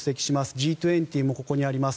Ｇ２０もここにあります。